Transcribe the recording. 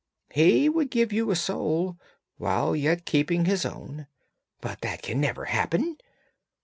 He would give you a soul while yet keeping his own. But that can never happen!